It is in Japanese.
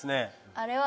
あれは？